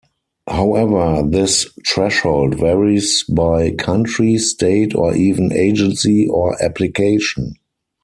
However, this threshold varies by country, state, or even agency or application.